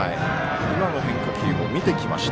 今の変化球も見てきました。